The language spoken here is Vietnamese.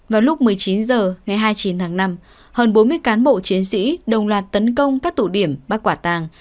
vào lúc một mươi chín h ngày hai mươi chín tháng năm hơn bốn mươi cán bộ chiến sĩ đồng loạt tấn công các tụ điểm bắt quả tàng